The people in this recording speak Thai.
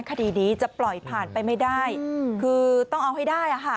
คดีนี้จะปล่อยผ่านไปไม่ได้คือต้องเอาให้ได้อ่ะค่ะ